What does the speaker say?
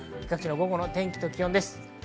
午後の天気と気温です。